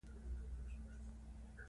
پټلۍ به د هغه له قلمرو څخه تېرېږي.